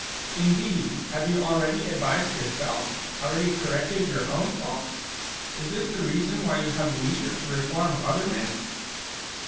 Indeed, have you already advised yourself, already corrected your own faults ? Is this the reason why you have leisure to reform other men